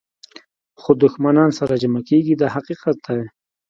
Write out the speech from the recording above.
خو دښمنان سره جمع کېږي دا حقیقت دی.